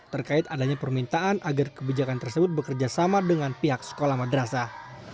terkait adanya permintaan agar kebijakan tersebut bekerja sama dengan pihak sekolah madrasah